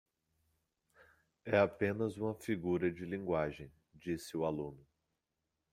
É apenas uma figura de linguagem, disse o aluno.